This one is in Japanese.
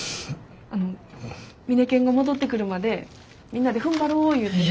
あのミネケンが戻ってくるまでみんなでふんばろういうて。